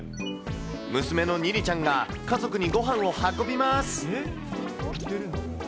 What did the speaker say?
娘のニニちゃんが家族にごはんを運びます。